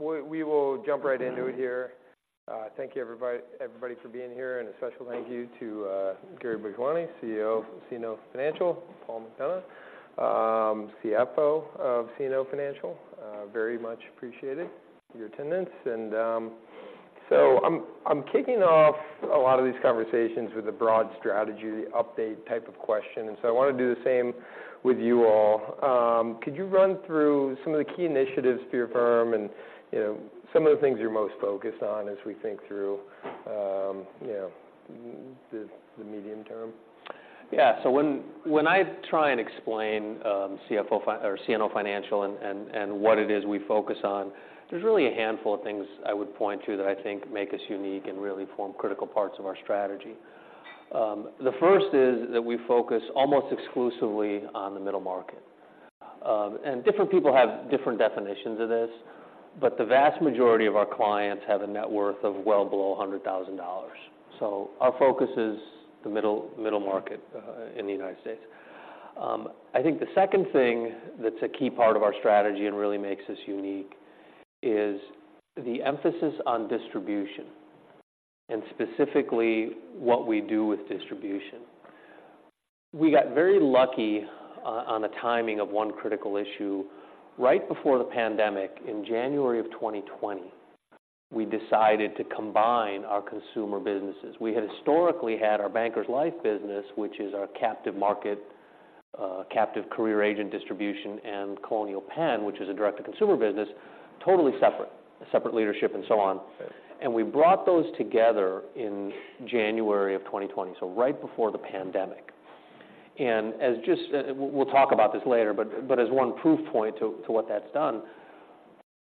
We will jump right into it here. Thank you, everybody, everybody for being here. And a special thank you to Gary Bhojwani, CEO of CNO Financial, Paul McDonough, CFO of CNO Financial. Very much appreciated, your attendance. And so I'm kicking off a lot of these conversations with a broad strategy update type of question, and so I want to do the same with you all. Could you run through some of the key initiatives for your firm and, you know, some of the things you're most focused on as we think through, you know, the medium term? Yeah. When I try and explain or CNO Financial and what it is we focus on, there's really a handful of things I would point to that I think make us unique and really form critical parts of our strategy. The first is that we focus almost exclusively on the middle market. Different people have different definitions of this, but the vast majority of our clients have a net worth of well below $100,000. So our focus is the middle, middle market in the United States. I think the second thing that's a key part of our strategy and really makes us unique is the emphasis on distribution, and specifically what we do with distribution. We got very lucky on the timing of 1 critical issue. Right before the pandemic, in January of 2020, we decided to combine our consumer businesses. We had historically had our Bankers Life business, which is our captive market, captive career agent distribution, and Colonial Penn, which is a direct-to-consumer business, totally separate, a separate leadership and so on. Yeah. We brought those together in January of 2020, so right before the pandemic. As just... we'll talk about this later, but as 1 proof point to what that's done,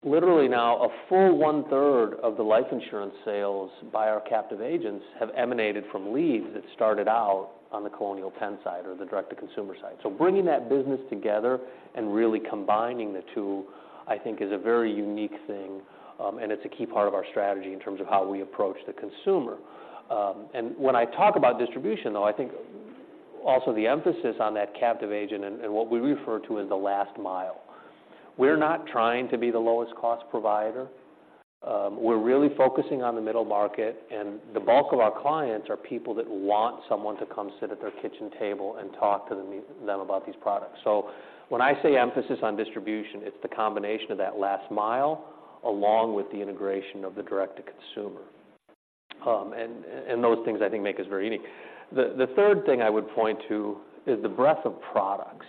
literally now, a full 1/3 of the life insurance sales by our captive agents have emanated from leads that started out on the Colonial Penn side or the direct-to-consumer side. So bringing that business together and really combining the two, I think is a very unique thing, and it's a key part of our strategy in terms of how we approach the consumer. And when I talk about distribution, though, I think also the emphasis on that captive agent and what we refer to as the last mile. We're not trying to be the lowest cost provider. We're really focusing on the middle market, and the bulk of our clients are people that want someone to come sit at their kitchen table and talk to them about these products. So when I say emphasis on distribution, it's the combination of that last mile, along with the integration of the direct to consumer. And those things, I think, make us very unique. The third thing I would point to is the breadth of products.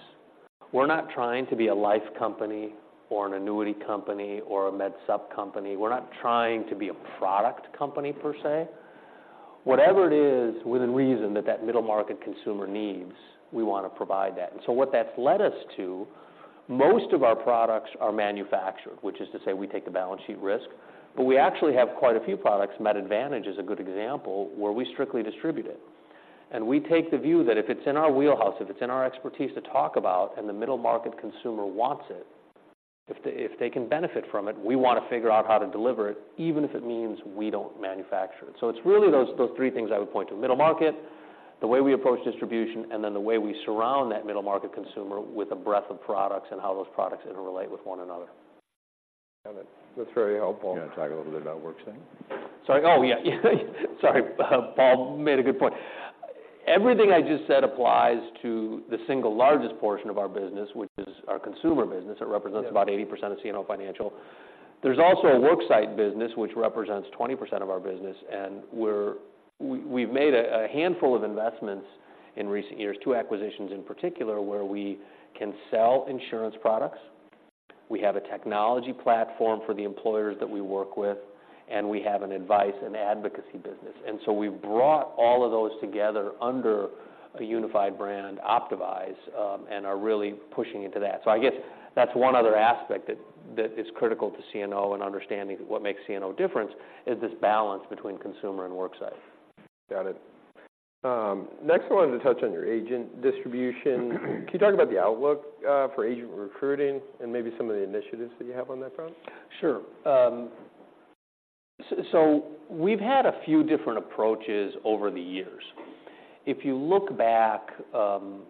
We're not trying to be a life company or an annuity company or a Med Supp company. We're not trying to be a product company per se. Whatever it is, within reason, that middle-market consumer needs, we want to provide that. What that's led us to, most of our products are manufactured, which is to say we take the balance sheet risk, but we actually have quite a few products, Med Advantage is a good example, where we strictly distribute it. We take the view that if it's in our wheelhouse, if it's in our expertise to talk about and the middle-market consumer wants it, if they, if they can benefit from it, we want to figure out how to deliver it, even if it means we don't manufacture it. It's really those, those 3 things I would point to: middle market, the way we approach distribution, and then the way we surround that middle-market consumer with a breadth of products and how those products interrelate with one another. Got it. That's very helpful. You want to talk a little bit about worksite? Sorry. Oh, yeah. Sorry, Paul made a good point. Everything I just said applies to the single largest portion of our business, which is our consumer business. Yeah. It represents about 80% of CNO Financial. There's also a worksite business, which represents 20% of our business, and we've made a handful of investments in recent years, 2 acquisitions in particular, where we can sell insurance products. We have a technology platform for the employers that we work with, and we have an advice and advocacy business. And so we've brought all of those together under a unified brand, Optavise, and are really pushing into that. So I guess that's one other aspect that is critical to CNO and understanding what makes CNO different, is this balance between consumer and worksite. Got it. Next, I wanted to touch on your agent distribution. Can you talk about the outlook for agent recruiting and maybe some of the initiatives that you have on that front? Sure. We've had a few different approaches over the years. If you look back,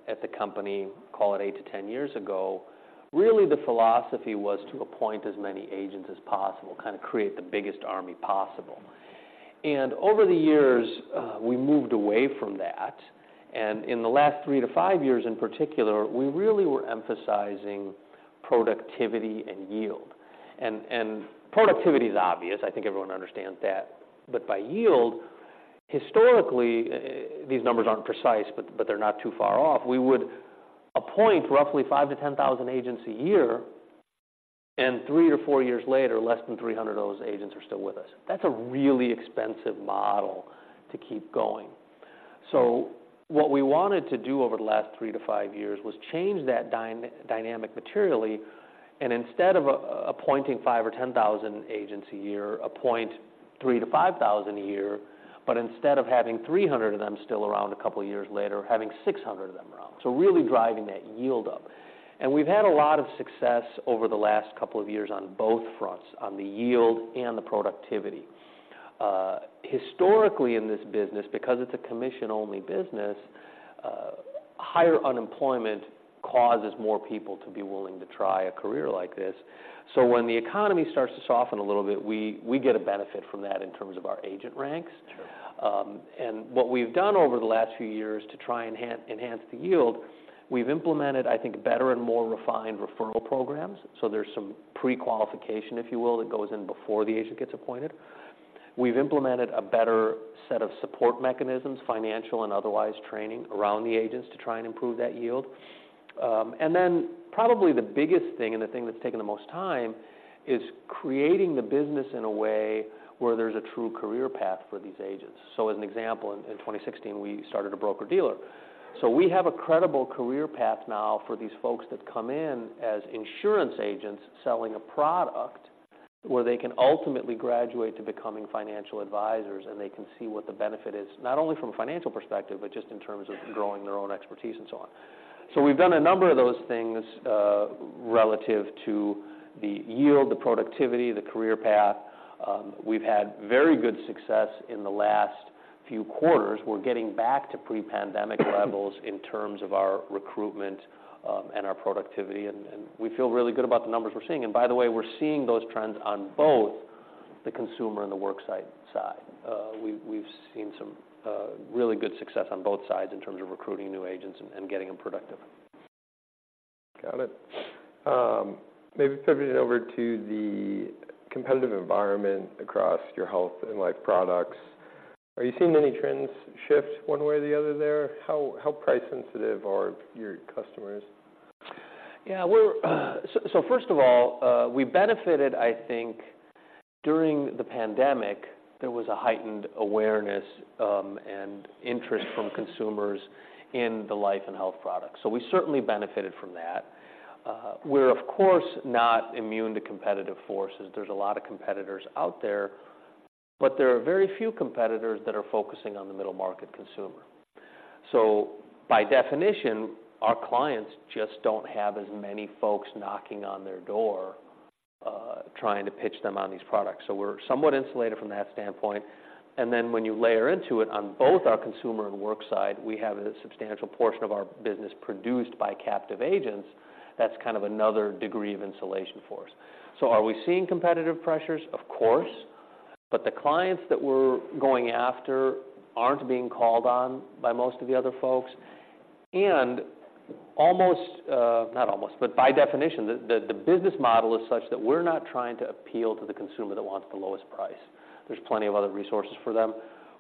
at the company, call it 8-10 years ago, really, the philosophy was to appoint as many agents as possible, kind of create the biggest army possible. And over the years, we moved away from that, and in the last 3-5 years in particular, we really were emphasizing productivity and yield. And, productivity is obvious. I think everyone understands that. But by yield, historically, these numbers aren't precise, but, they're not too far off. We would appoint roughly 5,000-10,000 agents a year, and 3-4 years later, less than 300 of those agents are still with us. That's a really expensive model to keep going. What we wanted to do over the last 3-5 years was change that dynamic materially, and instead of appointing 5,000 or 10,000 agents a year, appoint 3,000-5,000 a year, but instead of having 300 of them still around a couple of years later, having 600 of them around. So really driving that yield up. And we've had a lot of success over the last couple of years on both fronts, on the yield and the productivity. Historically, in this business, because it's a commission-only business, higher unemployment causes more people to be willing to try a career like this. So when the economy starts to soften a little bit, we get a benefit from that in terms of our agent ranks. Sure. What we've done over the last few years to try and enhance the yield, we've implemented, I think, better and more refined referral programs, so there's some pre-qualification, if you will, that goes in before the agent gets appointed. We've implemented a better set of support mechanisms, financial and otherwise, training around the agents to try and improve that yield. Then probably the biggest thing, and the thing that's taken the most time, is creating the business in a way where there's a true career path for these agents. So as an example, in 2016, we started a broker-dealer. We have a credible career path now for these folks that come in as insurance agents selling a product, where they can ultimately graduate to becoming financial advisors, and they can see what the benefit is, not only from a financial perspective, but just in terms of growing their own expertise and so on. So we've done a number of those things relative to the yield, the productivity, the career path. We've had very good success in the last few quarters. We're getting back to pre-pandemic levels in terms of our recruitment and our productivity, and we feel really good about the numbers we're seeing. And by the way, we're seeing those trends on both the consumer and the worksite side. We've seen some really good success on both sides in terms of recruiting new agents and getting them productive. Got it. Maybe pivoting over to the competitive environment across your health and life products, are you seeing any trends shift one way or the other there? How price-sensitive are your customers? Yeah, we're. First of all, we benefited, I think, during the pandemic, there was a heightened awareness, and interest from consumers in the life and health products, so we certainly benefited from that. We're, of course, not immune to competitive forces. There's a lot of competitors out there, but there are very few competitors that are focusing on the middle-market consumer. So by definition, our clients just don't have as many folks knocking on their door, trying to pitch them on these products. So we're somewhat insulated from that standpoint. And then, when you layer into it, on both our consumer and work side, we have a substantial portion of our business produced by captive agents. That's kind of another degree of insulation for us. So are we seeing competitive pressures? Of course, but the clients that we're going after aren't being called on by most of the other folks. Almost, not almost, but by definition, the business model is such that we're not trying to appeal to the consumer that wants the lowest price. There's plenty of other resources for them.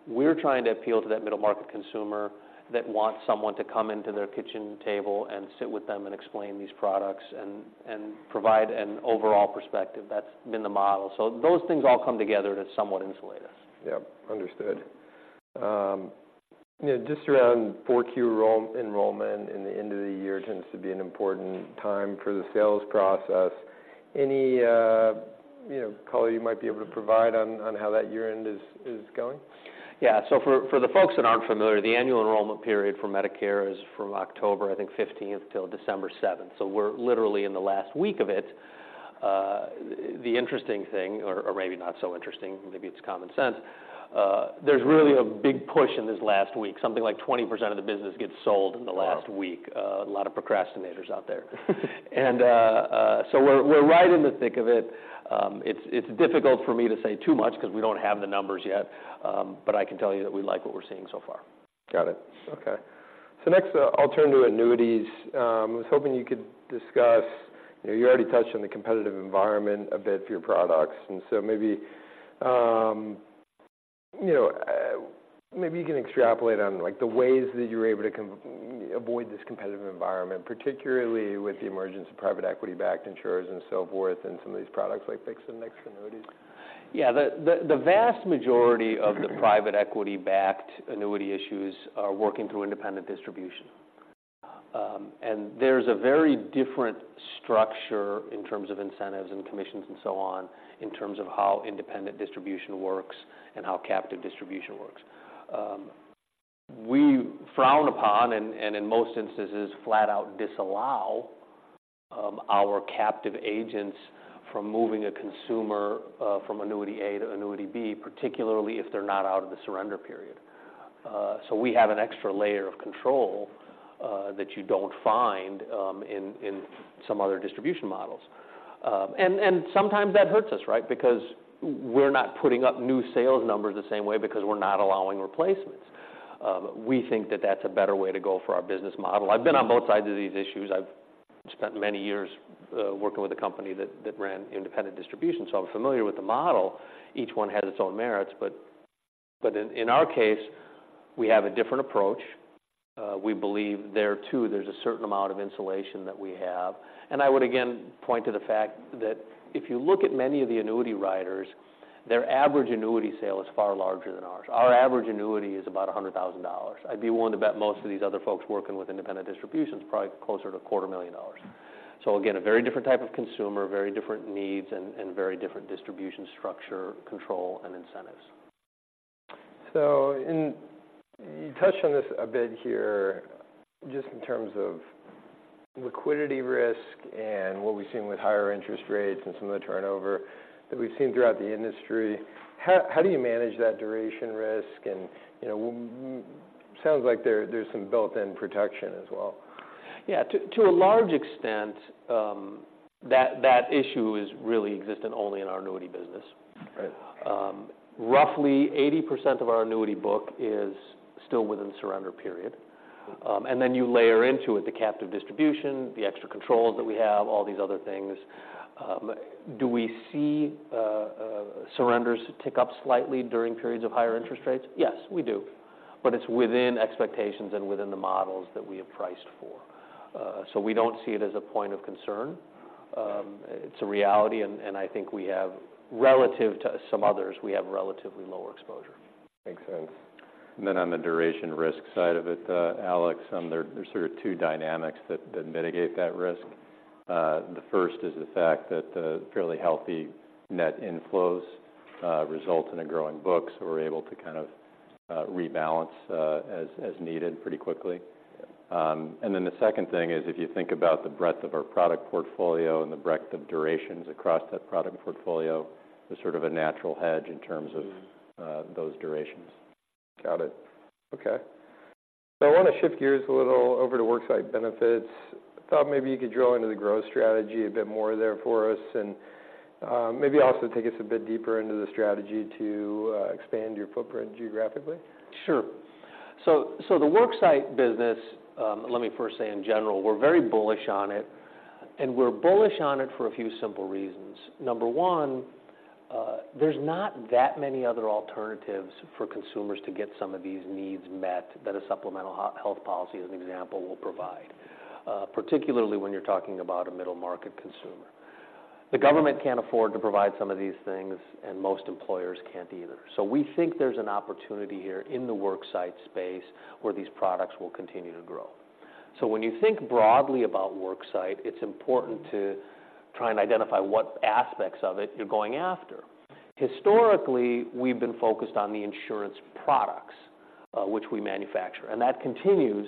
We're trying to appeal to that middle-market consumer that wants someone to come into their kitchen table and sit with them and explain these products and provide an overall perspective. That's been the model. So those things all come together to somewhat insulate us. Yeah. Understood. Just around 4Q enrollment in the end of the year tends to be an important time for the sales process. Any, you know, color you might be able to provide on how that year-end is going? Yeah. For the folks that aren't familiar, the annual enrollment period for Medicare is from October, I think, 15th till December 7th, so we're literally in the last week of it. The interesting thing, or maybe not so interesting, maybe it's common sense, there's really a big push in this last week. Something like 20% of the business gets sold in the last week. Wow! A lot of procrastinators out there. So we're right in the thick of it. It's difficult for me to say too much because we don't have the numbers yet, but I can tell you that we like what we're seeing so far. Got it. Okay. Next, I'll turn to annuities. I was hoping you could discuss... You know, you already touched on the competitive environment a bit for your products, and so maybe, you know, maybe you can extrapolate on, like, the ways that you were able to avoid this competitive environment, particularly with the emergence of private equity-backed insurers and so forth, and some of these products, like fixed indexed annuities. Yeah. The vast majority of the private equity-backed annuity issues are working through independent distribution. And there's a very different structure in terms of incentives and commissions and so on, in terms of how independent distribution works and how captive distribution works. We frown upon, and in most instances, flat out disallow, our captive agents from moving a consumer from annuity A to annuity B, particularly if they're not out of the surrender period. So we have an extra layer of control that you don't find in some other distribution models. And sometimes that hurts us, right? Because we're not putting up new sales numbers the same way because we're not allowing replacements. We think that that's a better way to go for our business model. I've been on both sides of these issues. I've spent many years working with a company that ran independent distribution, so I'm familiar with the model. Each one has its own merits, but in our case, we have a different approach. We believe there, too, there's a certain amount of insulation that we have. And I would again point to the fact that if you look at many of the annuity writers, their average annuity sale is far larger than ours. Our average annuity is about $100,000. I'd be willing to bet most of these other folks working with independent distribution is probably closer to $250,000. So again, a very different type of consumer, very different needs, and very different distribution structure, control, and incentives. you touched on this a bit here, just in terms of liquidity risk and what we've seen with higher interest rates and some of the turnover that we've seen throughout the industry. How do you manage that duration risk? And, you know, sounds like there's some built-in protection as well. Yeah, to a large extent, that issue is really existent only in our annuity business. Right. Roughly 80% of our annuity book is still within surrender period. And then you layer into it the captive distribution, the extra controls that we have, all these other things. Do we see surrenders tick up slightly during periods of higher interest rates? Yes, we do, but it's within expectations and within the models that we have priced for. So we don't see it as a point of concern. It's a reality, and I think we have, relative to some others, relatively lower exposure. Makes sense. And then on the duration risk side of it, Alex, there's sort of 2 dynamics that mitigate that risk. The first is the fact that the fairly healthy net inflows result in a growing book, so we're able to kind of rebalance as needed pretty quickly. And then the second thing is, if you think about the breadth of our product portfolio and the breadth of durations across that product portfolio, there's sort of a natural hedge in terms of- Mm-hmm those durations. Got it. Okay. I want to shift gears a little over to Worksite Benefits. I thought maybe you could drill into the growth strategy a bit more there for us, and maybe also take us a bit deeper into the strategy to expand your footprint geographically. Sure. The worksite business, let me first say, in general, we're very bullish on it, and we're bullish on it for a few simple reasons. Number 1, there's not that many other alternatives for consumers to get some of these needs met that a supplemental health policy, as an example, will provide, particularly when you're talking about a middle-market consumer. The government can't afford to provide some of these things, and most employers can't either. So we think there's an opportunity here in the worksite space where these products will continue to grow. So when you think broadly about worksite, it's important to try and identify what aspects of it you're going after. Historically, we've been focused on the insurance products, which we manufacture, and that continues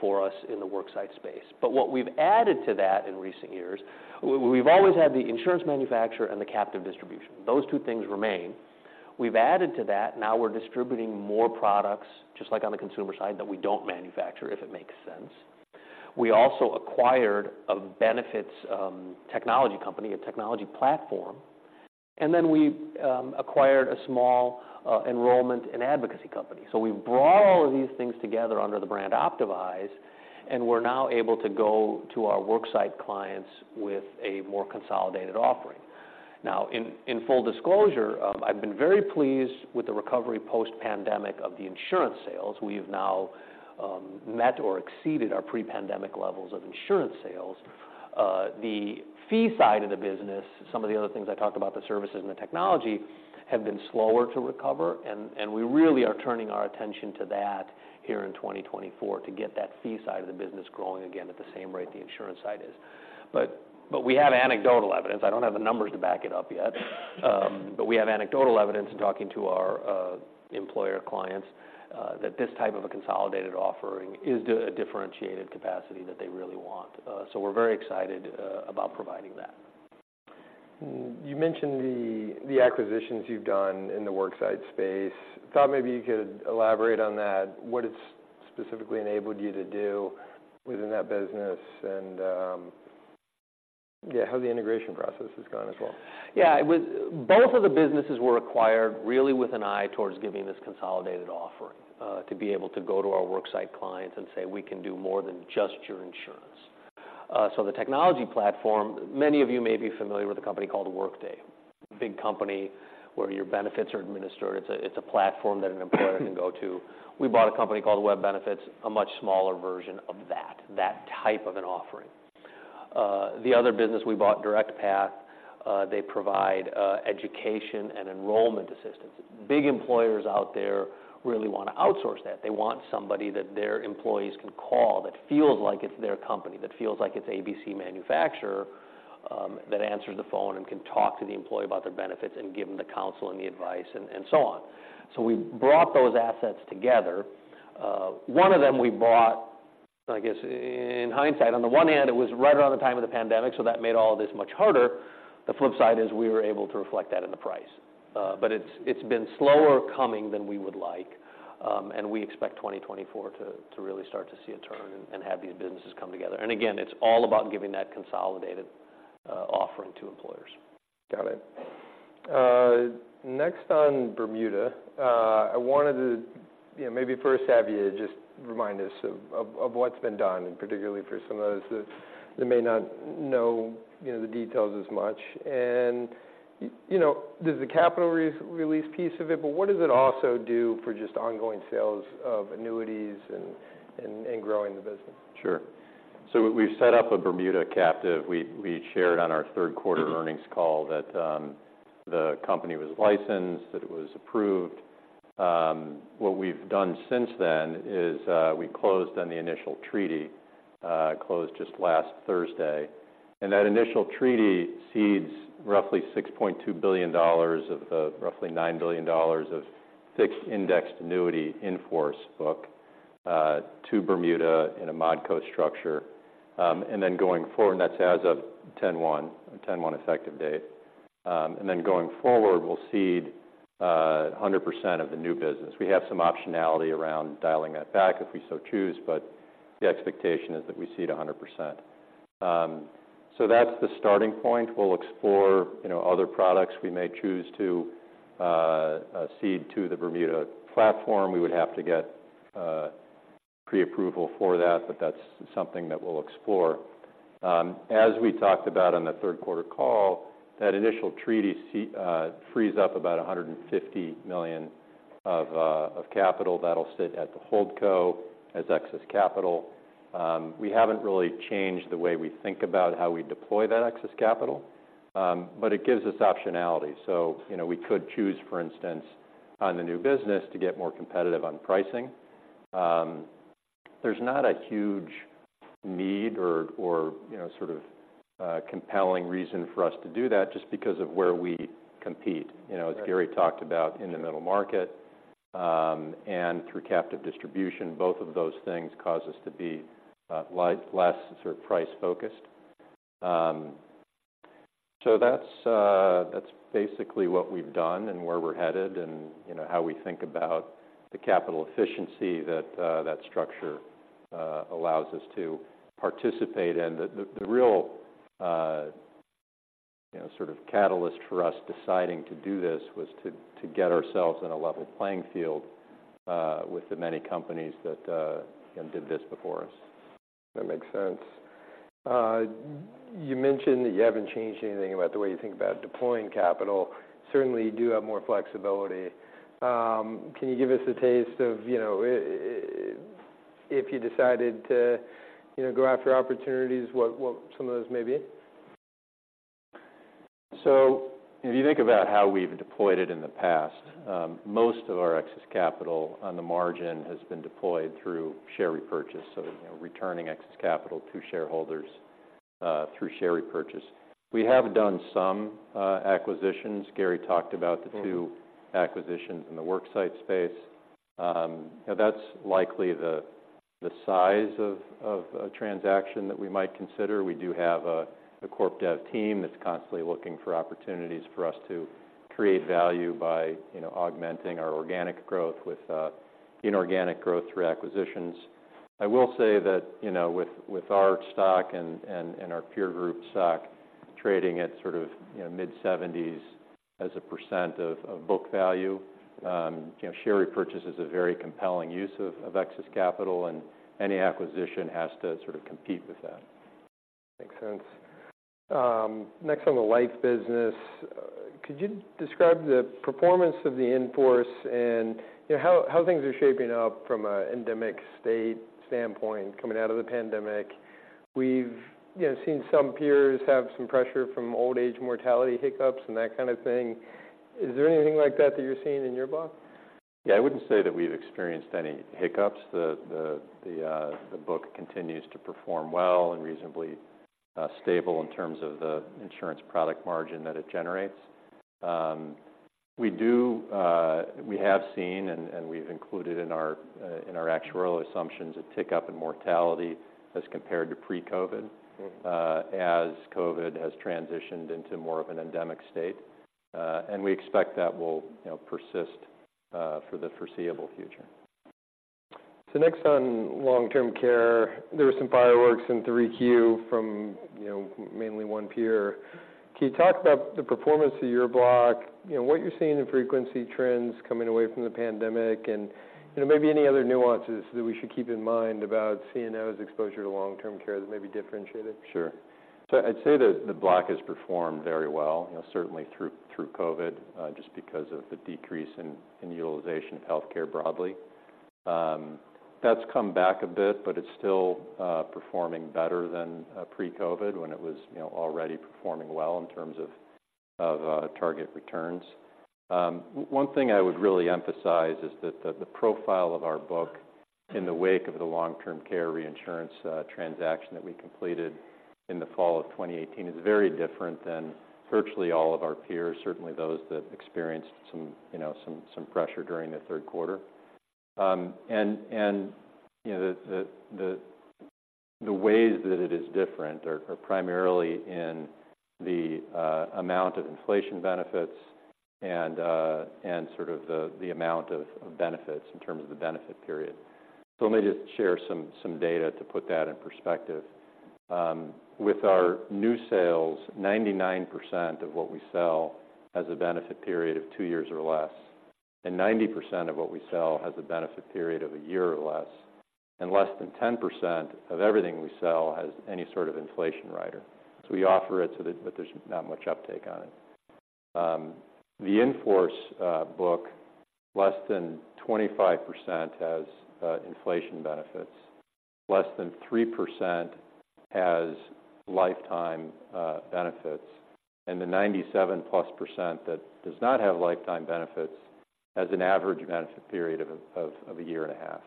for us in the worksite space. What we've added to that in recent years, we've always had the insurance manufacturer and the captive distribution. Those 2 things remain. We've added to that. Now we're distributing more products, just like on the consumer side, that we don't manufacture, if it makes sense. We also acquired a benefits technology company, a technology platform, and then we acquired a small enrollment and advocacy company. So we've brought all of these things together under the brand Optavise, and we're now able to go to our worksite clients with a more consolidated offering. Now, in full disclosure, I've been very pleased with the recovery post-pandemic of the insurance sales. We have now met or exceeded our pre-pandemic levels of insurance sales. The fee side of the business, some of the other things I talked about, the services and the technology, have been slower to recover, and we really are turning our attention to that here in 2024 to get that fee side of the business growing again at the same rate the insurance side is. But we have anecdotal evidence. I don't have the numbers to back it up yet, but we have anecdotal evidence in talking to our employer clients that this type of a consolidated offering is the differentiated capacity that they really want. So we're very excited about providing that. Hmm. You mentioned the acquisitions you've done in the worksite space. I thought maybe you could elaborate on that, what it's specifically enabled you to do within that business, and yeah, how the integration process has gone as well. Yeah, it was both of the businesses were acquired really with an eye towards giving this consolidated offering to be able to go to our worksite clients and say, "We can do more than just your insurance." So the technology platform, many of you may be familiar with a company called Workday, a big company where your benefits are administered. It's a platform that an employer can go to. We bought a company called Web Benefits, a much smaller version of that, that type of an offering. The other business we bought, DirectPath, they provide education and enrollment assistance. Big employers out there really want to outsource that. They want somebody that their employees can call, that feels like it's their company, that feels like it's ABC Manufacturer, that answers the phone and can talk to the employee about their benefits and give them the counsel and the advice and, and so on. So we brought those assets together. One of them we bought, I guess in hindsight, on the one hand, it was right around the time of the pandemic, so that made all this much harder. The flip side is, we were able to reflect that in the price. But it's, it's been slower coming than we would like, and we expect 2024 to really start to see a turn and have these businesses come together. And again, it's all about giving that consolidated offering to employers. Got it. Next on Bermuda, I wanted to, you know, maybe first have you just remind us of what's been done, and particularly for some of us that may not know, you know, the details as much. You know, there's the capital release piece of it, but what does it also do for just ongoing sales of annuities and growing the business? Sure. We've set up a Bermuda captive. We shared on our Q3 earnings call that the company was licensed, that it was approved. What we've done since then is we closed on the initial treaty, closed just last Thursday. And that initial treaty cedes roughly $6.2 billion of the roughly $9 billion of fixed indexed annuity in force book to Bermuda in a Modco structure. And then going forward, and that's as of 10/1, a 10/1 effective date. And then going forward, we'll cede 100% of the new business. We have some optionality around dialing that back if we so choose, but the expectation is that we cede 100%. So that's the starting point. We'll explore, you know, other products we may choose to cede to the Bermuda platform. We would have to get pre-approval for that, but that's something that we'll explore. As we talked about on the Q3 call, that initial treaty frees up about $150 million of capital that'll sit at the holdco as excess capital. We haven't really changed the way we think about how we deploy that excess capital, but it gives us optionality. So, you know, we could choose, for instance, on the new business, to get more competitive on pricing. There's not a huge need or, you know, sort of, compelling reason for us to do that, just because of where we compete. You know, as Gary talked about in the middle market, and through captive distribution, both of those things cause us to be less sort of price-focused. So that's basically what we've done and where we're headed and, you know, how we think about the capital efficiency that that structure allows us to participate in. The real, you know, sort of catalyst for us deciding to do this was to get ourselves in a level playing field with the many companies that you know, did this before us. That makes sense. You mentioned that you haven't changed anything about the way you think about deploying capital. Certainly, you do have more flexibility. Can you give us a taste of, you know, if you decided to, you know, go after opportunities, what some of those may be? If you think about how we've deployed it in the past, most of our excess capital on the margin has been deployed through share repurchase. So, you know, returning excess capital to shareholders, through share repurchase. We have done some acquisitions. Gary talked about the 2- Mm-hmm acquisitions in the worksite space. That's likely the size of a transaction that we might consider. We do have a corp dev team that's constantly looking for opportunities for us to create value by, you know, augmenting our organic growth with inorganic growth through acquisitions. I will say that, you know, with our stock and our peer group stock trading at sort of, you know, mid-70s as a % of book value, you know, share repurchase is a very compelling use of excess capital, and any acquisition has to sort of compete with that. Makes sense. Next, on the life business, could you describe the performance of the in-force and, you know, how things are shaping up from a endemic state standpoint, coming out of the pandemic? We've, you know, seen some peers have some pressure from old age mortality hiccups, and that kind of thing. Is there anything like that that you're seeing in your block? Yeah, I wouldn't say that we've experienced any hiccups. The book continues to perform well and reasonably stable in terms of the insurance product margin that it generates. We have seen, and we've included in our actuarial assumptions, a tick-up in mortality as compared to pre-COVID- Mm-hmm as COVID has transitioned into more of an endemic state, and we expect that will, you know, persist, for the foreseeable future. Next on long-term care, there were some fireworks in 3Q from, you know, mainly 1 peer. Can you talk about the performance of your block? You know, what you're seeing in frequency trends coming away from the pandemic and, you know, maybe any other nuances that we should keep in mind about CNO's exposure to long-term care that may be differentiated? Sure. I'd say that the block has performed very well, you know, certainly through COVID, just because of the decrease in utilization of healthcare broadly. That's come back a bit, but it's still performing better than pre-COVID, when it was, you know, already performing well in terms of target returns. One thing I would really emphasize is that the profile of our book in the wake of the long-term care reinsurance transaction that we completed in the fall of 2018 is very different than virtually all of our peers, certainly those that experienced some, you know, some pressure during the third quarter. you know, the ways that it is different are primarily in the amount of inflation benefits and sort of the amount of benefits in terms of the benefit period. So let me just share some data to put that in perspective. With our new sales, 99% of what we sell has a benefit period of 2 years or less, and 90% of what we sell has a benefit period of a year or less, and less than 10% of everything we sell has any sort of inflation rider. So we offer it, but there's not much uptake on it. The in-force book, less than 25% has inflation benefits. Less than 3%- has lifetime benefits, and the 97%+ that does not have lifetime benefits has an average benefit period of a year and a half.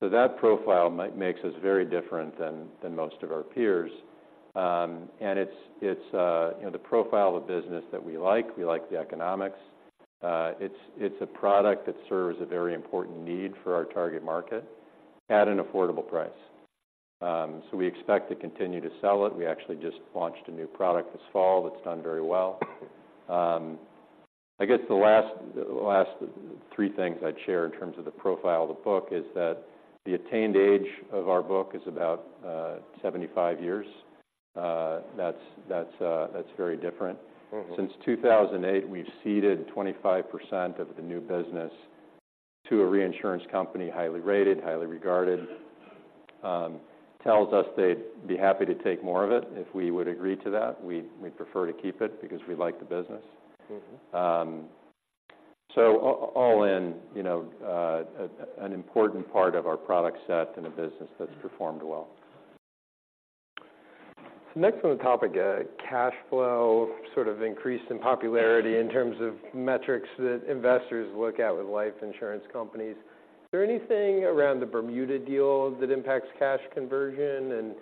So that profile makes us very different than most of our peers. And it's you know, the profile of business that we like. We like the economics. It's a product that serves a very important need for our target market at an affordable price. So we expect to continue to sell it. We actually just launched a new product this fall that's done very well. I guess the last 3 things I'd share in terms of the profile of the book is that the attained age of our book is about 75 years. That's very different. Mm-hmm. Since 2008, we've ceded 25% of the new business to a reinsurance company, highly rated, highly regarded. Tells us they'd be happy to take more of it if we would agree to that. We'd prefer to keep it because we like the business. Mm-hmm. So all in, you know, an important part of our product set and a business that's performed well. Next on the topic, cash flow sort of increased in popularity in terms of metrics that investors look at with life insurance companies. Is there anything around the Bermuda deal that impacts cash conversion? And,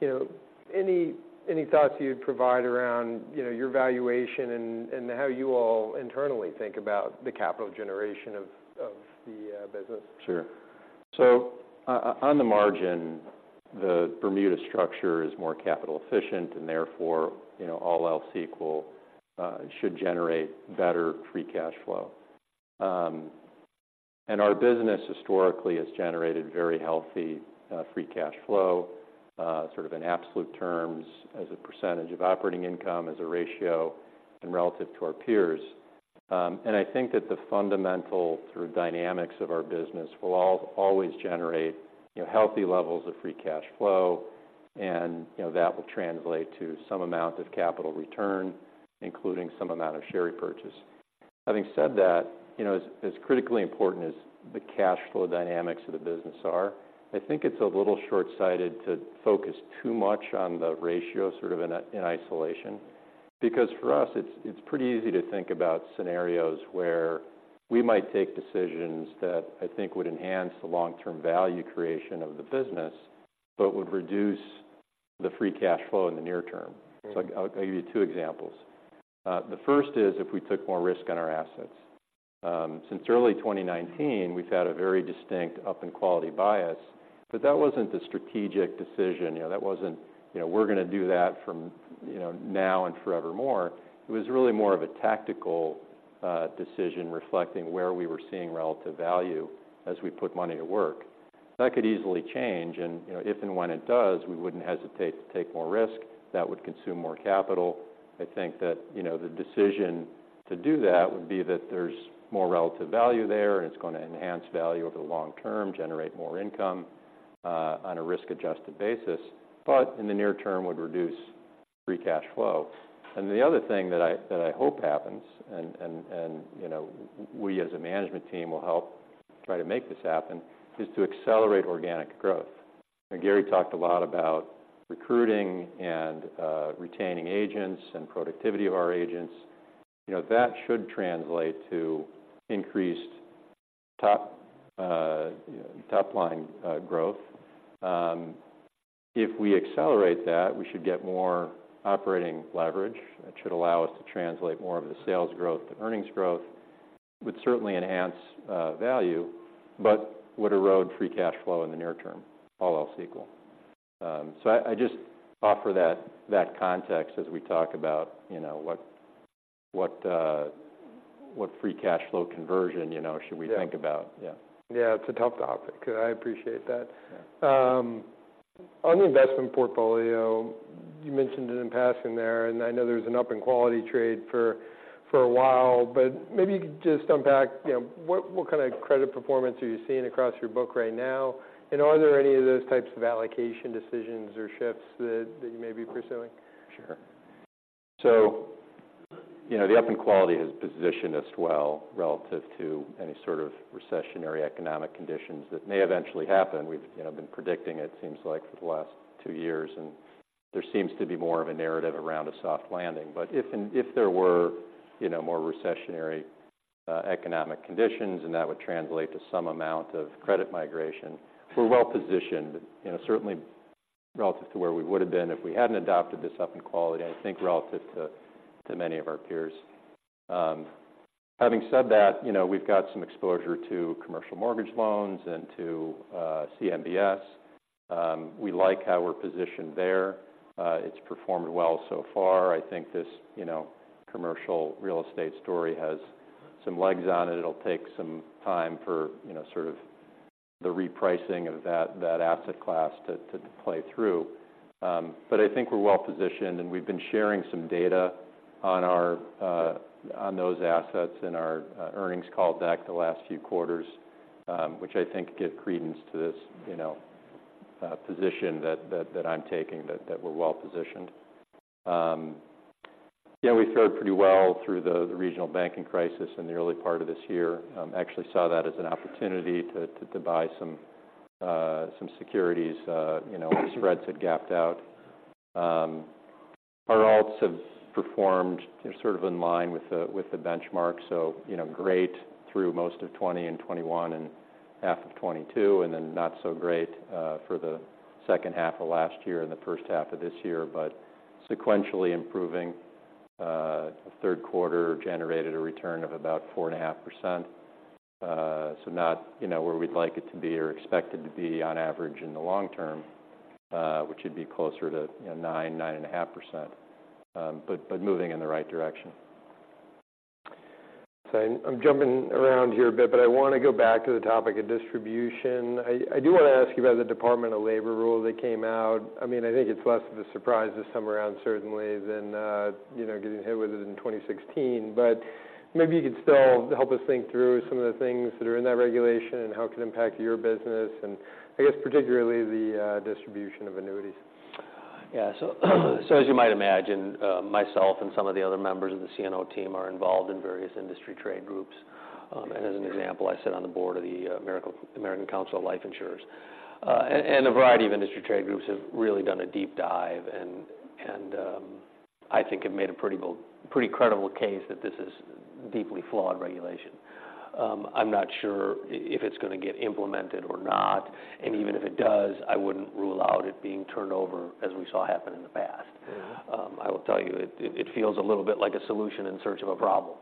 you know, any thoughts you'd provide around, you know, your valuation and how you all internally think about the capital generation of the business? Sure. On the margin, the Bermuda structure is more capital efficient, and therefore, you know, all else equal, should generate better free cash flow. And our business historically has generated very healthy free cash flow, sort of in absolute terms, as a percentage of operating income, as a ratio, and relative to our peers. And I think that the fundamental through dynamics of our business will always generate, you know, healthy levels of free cash flow, and, you know, that will translate to some amount of capital return, including some amount of share repurchase. Having said that, you know, as, as critically important as the cash flow dynamics of the business are, I think it's a little short-sighted to focus too much on the ratio, sort of in isolation. Because for us, it's, it's pretty easy to think about scenarios where we might take decisions that I think would enhance the long-term value creation of the business, but would reduce the free cash flow in the near term. Mm. I'll give you 2 examples. The first is if we took more risk on our assets. Since early 2019, we've had a very distinct up in quality bias, but that wasn't a strategic decision. You know, that wasn't, you know, we're going to do that from, you know, now and forevermore. It was really more of a tactical decision reflecting where we were seeing relative value as we put money to work. That could easily change, and, you know, if and when it does, we wouldn't hesitate to take more risk. That would consume more capital. I think that, you know, the decision to do that would be that there's more relative value there, and it's going to enhance value over the long term, generate more income on a risk-adjusted basis, but in the near term, would reduce free cash flow. The other thing that I hope happens, you know, we as a management team will help try to make this happen, is to accelerate organic growth. Gary talked a lot about recruiting and retaining agents and productivity of our agents. You know, that should translate to increased top line growth. If we accelerate that, we should get more operating leverage, which should allow us to translate more of the sales growth to earnings growth. Would certainly enhance value, but would erode free cash flow in the near term, all else equal. So I just offer that context as we talk about, you know, what free cash flow conversion, you know, should we think about? Yeah. Yeah. Yeah, it's a tough topic. I appreciate that. Yeah. On the investment portfolio, you mentioned it in passing there, and I know there was an up in quality trade for a while, but maybe you could just unpack, you know, what kind of credit performance are you seeing across your book right now? And are there any of those types of allocation decisions or shifts that you may be pursuing? Sure. You know, the up in quality has positioned us well relative to any sort of recessionary economic conditions that may eventually happen. We've, you know, been predicting it, seems like, for the last 2 years, and there seems to be more of a narrative around a soft landing. But if there were, you know, more recessionary economic conditions, and that would translate to some amount of credit migration, we're well positioned, you know, certainly relative to where we would've been if we hadn't adopted this up in quality, and I think relative to many of our peers. Having said that, you know, we've got some exposure to commercial mortgage loans and to CMBS. We like how we're positioned there. It's performed well so far. I think this, you know, commercial real estate story has some legs on it. It'll take some time for, you know, sort of the repricing of that asset class to play through. But I think we're well positioned, and we've been sharing some data on those assets in our earnings call deck the last few quarters, which I think give credence to this, you know, position that I'm taking, that we're well positioned. Yeah, we fared pretty well through the regional banking crisis in the early part of this year. Actually saw that as an opportunity to buy some securities. You know, the spreads had gapped out. Our alts have performed sort of in line with the, with the benchmark, so, you know, great through most of 2020 and 2021 and half of 2022, and then not so great, for the H2 of last year and the H1 of this year. But sequentially improving, the third quarter generated a return of about 4.5%. So not, you know, where we'd like it to be or expected to be on average in the long term, which would be closer to, you know, 9%-9.5%. But, but moving in the right direction. I'm jumping around here a bit, but I want to go back to the topic of distribution. I do want to ask you about the Department of Labor rule that came out. I mean, I think it's less of a surprise this time around certainly than, you know, getting hit with it in 2016. But maybe you could still help us think through some of the things that are in that regulation and how it could impact your business, and I guess particularly the distribution of annuities. Yeah. As you might imagine, myself and some of the other members of the CNO team are involved in various industry trade groups. As an example, I sit on the board of the American Council of Life Insurers. A variety of industry trade groups have really done a deep dive and I think have made a pretty well pretty credible case that this is deeply flawed regulation. I'm not sure if it's going to get implemented or not, and even if it does, I wouldn't rule out it being turned over, as we saw happen in the past. Yeah. I will tell you, it feels a little bit like a solution in search of a problem.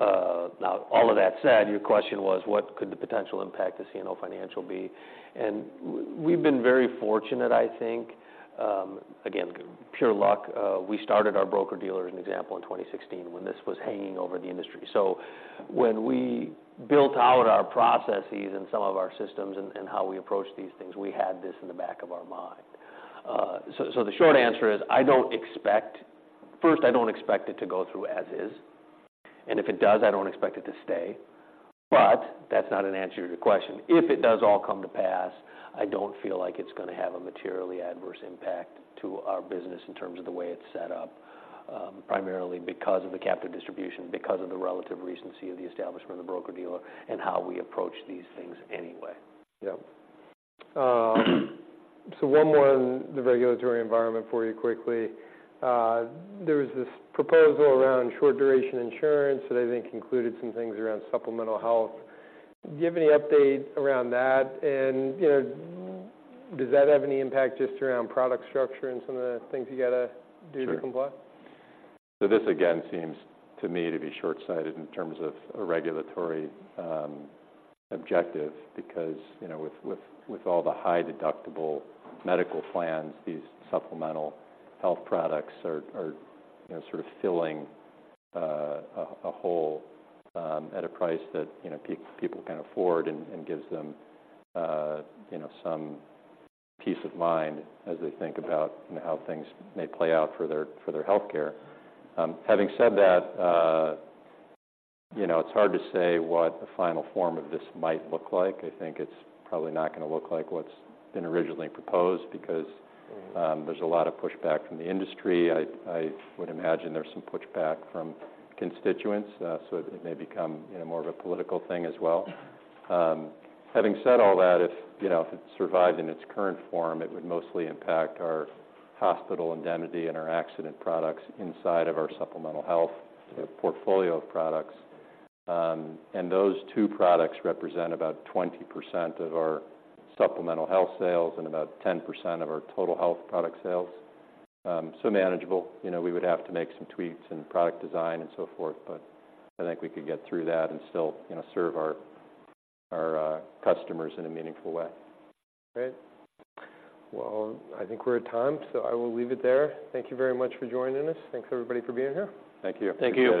Now, all of that said, your question was, "What could the potential impact to CNO Financial be?" And we've been very fortunate, I think. Again, pure luck. We started our broker-dealer, as an example, in 2016, when this was hanging over the industry. So when we built out our processes and some of our systems and how we approached these things, we had this in the back of our mind. So the short answer is, I don't expect... First, I don't expect it to go through as is, and if it does, I don't expect it to stay. But that's not an answer to your question. If it does all come to pass, I don't feel like it's going to have a materially adverse impact to our business in terms of the way it's set up, primarily because of the captive distribution, because of the relative recency of the establishment of the broker-dealer and how we approach these things anyway. Yeah. One more on the regulatory environment for you quickly. There was this proposal around short-duration insurance that I think included some things around supplemental health. Do you have any update around that? And, you know, does that have any impact just around product structure and some of the things you got to do- Sure to comply? Again, seems to me to be short-sighted in terms of a regulatory objective, because, you know, with all the high-deductible medical plans, these supplemental health products are, you know, sort of filling a hole at a price that, you know, people can afford and gives them, you know, some peace of mind as they think about, you know, how things may play out for their healthcare. Having said that, you know, it's hard to say what the final form of this might look like. I think it's probably not going to look like what's been originally proposed, because- Mm-hmm There's a lot of pushback from the industry. I would imagine there's some pushback from constituents. So it may become, you know, more of a political thing as well. Having said all that, if, you know, if it survived in its current form, it would mostly impact our hospital indemnity and our accident products inside of our supplemental health portfolio of products. And those 2 products represent about 20% of our supplemental health sales and about 10% of our total health product sales. So manageable. You know, we would have to make some tweaks in product design and so forth, but I think we could get through that and still, you know, serve our customers in a meaningful way. Great. Well, I think we're at time, so I will leave it there. Thank you very much for joining us. Thanks, everybody, for being here. Thank you. Thank you.